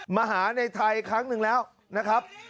มาหาในไทยครั้งหนึ่งแล้วนะครับ